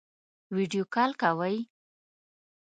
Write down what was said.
ویډیو کال کوئ؟